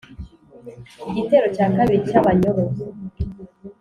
igitero cya kabiri cy'abanyoro.